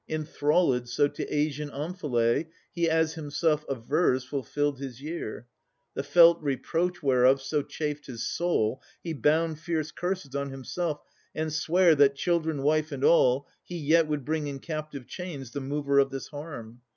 Enthrallèd so to Asian Omphalè, He, as himself avers, fulfilled his year. The felt reproach whereof so chafed his soul, He bound fierce curses on himself and sware That, children, wife and all, he yet would bring In captive chains the mover of this harm.